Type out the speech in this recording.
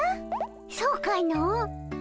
そうかの？